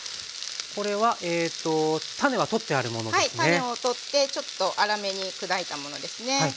種を取ってちょっと粗めに砕いたものですね。